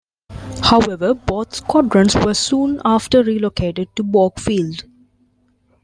However, both squadrons were soon after relocated to Bogue Field.